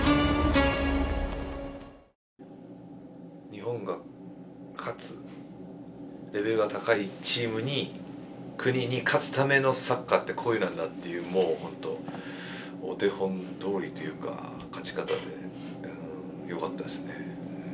日本が勝つレベルが高いチームに国に勝つためのサッカーってこういうのなんだというのが本当お手本どおりというか、勝ち方で良かったですね。